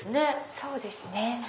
そうですね。